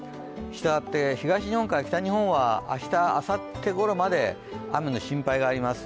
したがって東日本から北日本は明日、あさってぐらいまで雨の心配があります。